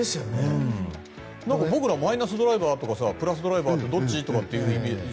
僕ら、マイナスドライバーとかプラスドライバーとかどっち？とか言うじゃない。